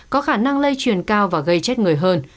có khả năng lây truyền cao và gây chết người hơn